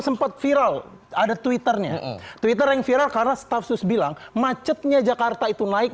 sempat viral ada twitternya twitter yang viral karena staf sus bilang macetnya jakarta itu naik